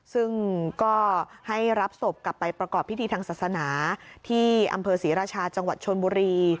ซึ่งก็ให้รับศพกลับไปประกอบพิธีทางศาสนาที่อำเภอศรีราชาจังหวัดชนบุรี